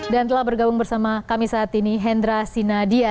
dan telah bergabung bersama kami saat ini hendra sinadia